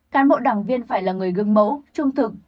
cán bộ đảng viên phải là người gương mẫu trung thực